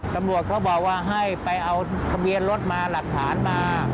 ตำรวจก็บอกว่าให้ไปเอาทะเบียนรถมาหลักฐานมา